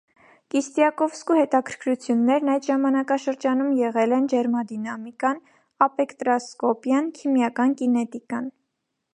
Կիստյակովսկու հետաքրքրություններն այդ ժամանակշրջանում եղել են ջերմադինամիկան, սպեկտրասկոպիան, քիմիական կինետիկան։